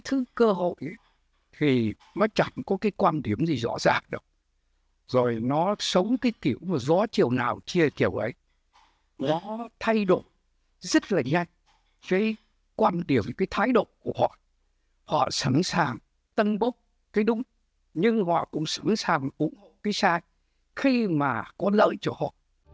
thứ cơ hội thì nó chẳng có cái quan điểm gì rõ ràng đâu rồi nó sống cái kiểu mà gió chiều nào chia chiều ấy nó thay đổi rất là nhanh với quan điểm cái thái độ của họ họ sẵn sàng tân bốc cái đúng nhưng họ cũng sẵn sàng ủng hộ cái sai khi mà có lợi cho họ